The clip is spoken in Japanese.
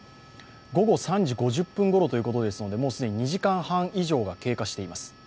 午後３時５０分ごろということですのでもう既に２時間半以上が経過しています。